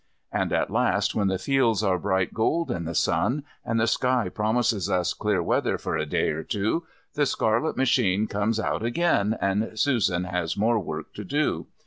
And at last, when the fields are bright gold in the sun, and the sky promises us clear weather for a day or two, the scarlet machine comes out again, and Susan has more work to do.